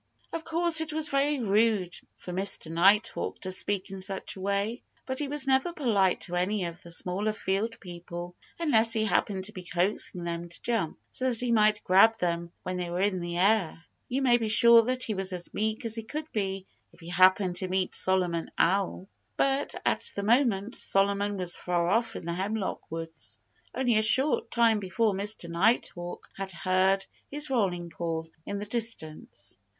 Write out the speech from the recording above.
Of course it was very rude for Mr. Nighthawk to speak in such a way. But he was never polite to any of the smaller field people, unless he happened to be coaxing them to jump, so that he might grab them when they were in the air. You may be sure he was as meek as he could be if he happened to meet Solomon Owl. But at that moment Solomon was far off in the hemlock woods. Only a short time before Mr. Nighthawk had heard his rolling call in the distance.